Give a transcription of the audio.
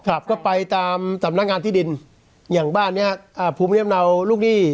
ครับก็ไปตามสำนักงานที่ดินอย่างบ้านเนี้ยอ่าภูมิลำเนาลูกหนี้